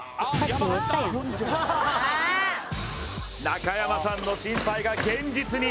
中山さんの心配が現実に。